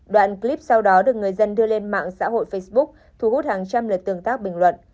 đoạn clip sau đó được người dân đưa lên mạng xã hội facebook thu hút hàng trăm lượt tương tác bình luận